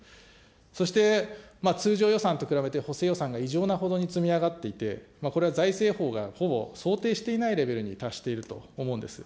そして通常予算と比べて補正予算が異常なほどに積み上がっていて、これは財政法がほぼ想定していないレベルに達していると思うんです。